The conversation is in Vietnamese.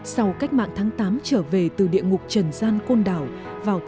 sau cách mạng tháng tám trở về từ địa ngục trần gian côn đảo